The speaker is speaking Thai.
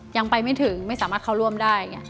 ยังไปไม่ถึงไม่สามารถเข้าร่วมได้ไง